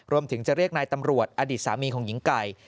รวมถึงจะเรียกนายตำรวจอดีตสามีของหญิงไก่